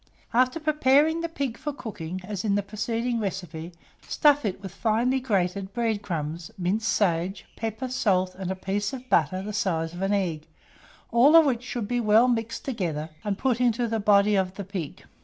After preparing the pig for cooking, as in the preceding recipe, stuff it with finely grated bread crumbs, minced sage, pepper, salt, and a piece of butter the size of an egg, all of which should be well mixed together, and put into the body of the pig.